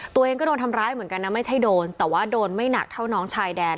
ตัวเองก็โดนทำร้ายเหมือนกันนะไม่ใช่โดนแต่ว่าโดนไม่หนักเท่าน้องชายแดน